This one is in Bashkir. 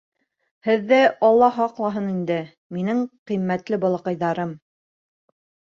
— Һеҙҙе Алла һаҡлаһын инде, минең ҡиммәтле балаҡайҙарым...